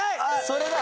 それだ！